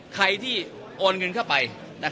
ใครที่โอนเงินเข้าไป